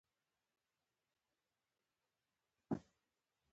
سید جمال الدین افغاني په هر ځای کې.